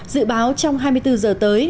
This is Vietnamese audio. dự báo trong hai mươi bốn giờ tới